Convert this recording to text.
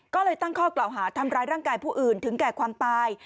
ก็เลยตั้งข้อกล่าวหาทำร้ายร่างกายผู้อื่นถึงแก่ความตาย